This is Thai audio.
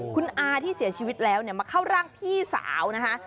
คุณอาที่เสียชีวิตแล้วเนี่ยมาเข้าร่างพี่สาวนะคะ